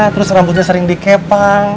terus rambutnya sering dikepang